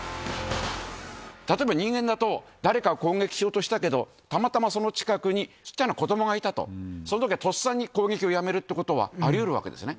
例えば人間だと、誰かを攻撃しようとしたけど、たまたまその近くにちっちゃな子どもがいたと、そのときは、とっさに攻撃をやめるということはありうるわけですね。